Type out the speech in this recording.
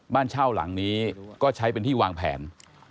บ้านเช่าหลังนี้ก็ใช้เป็นที่วางแผน